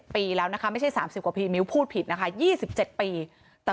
ปีแล้วนะคะไม่ใช่๓๐กว่าปีมิ้วพูดผิดนะคะ๒๗ปีแต่